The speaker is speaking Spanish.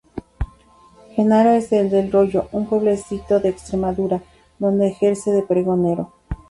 Jenaro es el de El Rollo, un pueblecito de Extremadura, donde ejerce de pregonero.